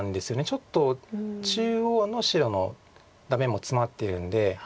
ちょっと中央の白のダメもツマっているんで。